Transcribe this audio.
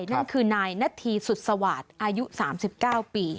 นั่นคือนายนาธีสุดสวาสตร์อายุ๓๙ปี